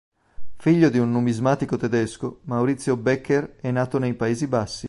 Figlio di un numismatico tedesco, Maurizio Becker è nato nei Paesi Bassi.